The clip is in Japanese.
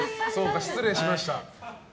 失礼しました。